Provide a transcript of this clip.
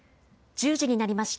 １０時になりました。